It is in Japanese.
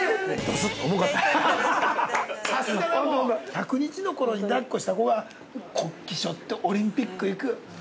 ◆１００日のころに抱っこした子が国旗背負ってオリンピック行く。